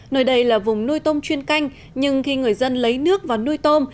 nơi đây là vùng nuôi tôm chuyên canh nhưng khi người dân lấy nước vào nuôi tôm